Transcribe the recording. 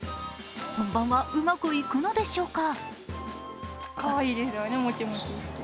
本番はうまくいくのでしょうか。